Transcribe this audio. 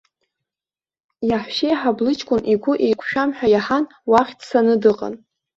Иаҳәшьеиҳаб лыҷкәын игәы еиқәшәам ҳәа иаҳан, уахь дцаны дыҟан.